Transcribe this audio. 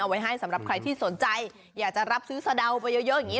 ไว้ให้สำหรับใครที่สนใจอยากจะรับซื้อสะเดาไปเยอะอย่างนี้